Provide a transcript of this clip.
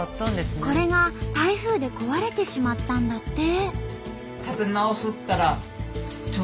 これが台風で壊れてしまったんだって。